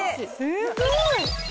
すごい！